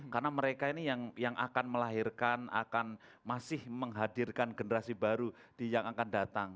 karena mereka ini yang akan melahirkan akan masih menghadirkan generasi baru yang akan datang